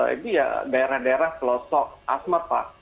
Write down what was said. itu ya daerah daerah pelosok asmat pak